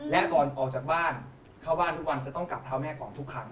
และก่อนออกจากบ้านเข้าบ้านทุกวันจะต้องกลับเท้าแม่ก่อนทุกครั้ง